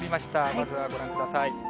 まずはご覧ください。